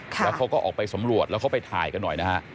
แล้วเขาก็ออกไปสำรวจแล้วเขาไปถ่ายกันหน่อยนะฮะ